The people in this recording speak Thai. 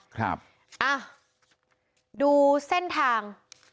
ครับอ่ะดูเส้นทาง